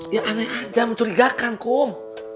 ya aneh aja mencurigakan kum